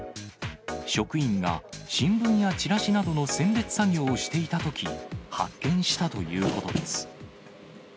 職員が新聞やちらしなどの選別作業をしていたとき、発見したということです。